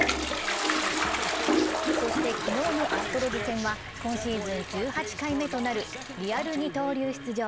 そして昨日のアストロズ戦は今シーズン１８回目となるリアル二刀流で出場。